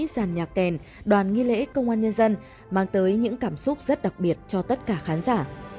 dàn nhạc kèn đoàn nghi lễ công an nhân dân mang tới những cảm xúc rất đặc biệt cho tất cả khán giả